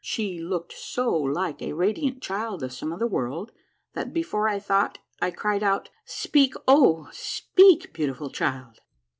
She looked so like a radiant child of some other world that before I thought, I cried out, —" Speak, Oh, speak, beautiful child